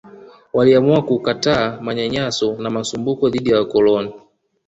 Waliamua kukataa manyanyaso na masumbuko dhidi ya wakoloni